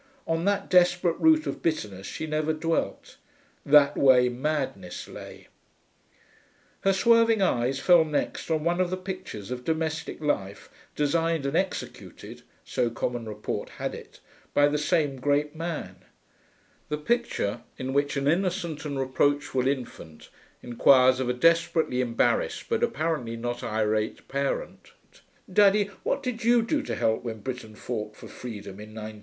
(On that desperate root of bitterness she never dwelt: that way madness lay.) Her swerving eyes fell next on one of the pictures of domestic life designed and executed (so common report had it) by the same Great Man; the picture in which an innocent and reproachful infant inquires of a desperately embarrassed but apparently not irate parent, 'Daddy, what did you do to help when Britain fought for freedom in 1915?'